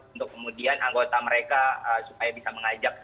untuk kemudian anggota mereka supaya bisa mengajak